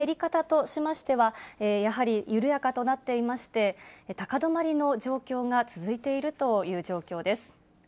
ただ、減り方としましては、やはり緩やかとなってまして、高止まりの状況が続いているという状況です。